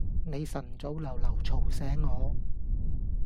你晨早流流嘈醒我